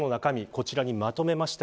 こちらにまとめました。